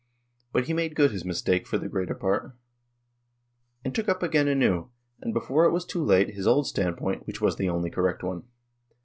But he made good his mistake for the greater part, and took up again anew, and before it was too late, his old standpoint, which was the only correct one.